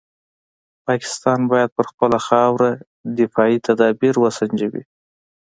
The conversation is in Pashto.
پاکستان باید پر خپله خاوره دفاعي تدابیر وسنجوي.